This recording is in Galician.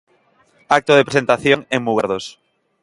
Acto de presentación en Mugardos.